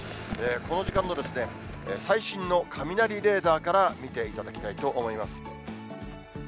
この時間の最新の雷レーダーから見ていただきたいと思います。